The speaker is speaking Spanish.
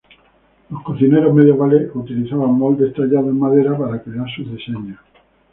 Los cocineros medievales utilizaban moldes tallados en madera para crear sus diseños.